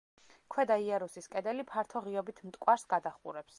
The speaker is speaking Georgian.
ქვედა იარუსის კედელი ფართო ღიობით მტკვარს გადაჰყურებს.